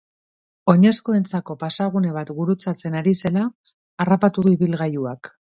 Oinezkoentzako pasagune bat gurutzatzen ari zela harrapatu du ibilgailuak.